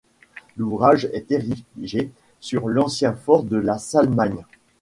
L'ouvrage est érigé sur l'ancien fort de la Salmagne.